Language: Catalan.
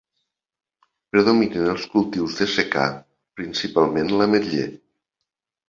Predominen els cultius de secà, principalment l'ametller.